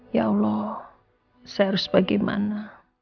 ya allah saya harus bagaimana